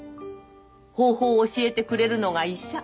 方法を教えてくれるのが医者。